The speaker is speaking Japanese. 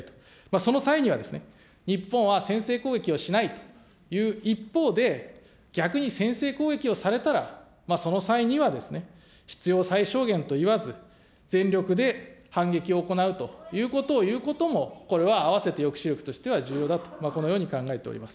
その際には、日本は先制攻撃をしないという一方で、逆に先制攻撃をされたら、その際には、必要最小限と言わず、全力で反撃を行うということを言うことも、これは併せて抑止力としては重要だと、このように考えております。